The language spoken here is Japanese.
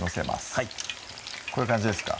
はいこういう感じですか？